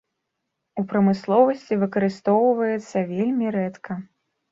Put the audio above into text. У прамысловасці выкарыстоўваецца вельмі рэдка.